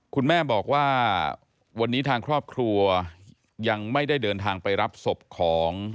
คุณแม่บอกว่าวันนี้ทางครอบครัวยังไม่ได้เดินทางไปรับศพของ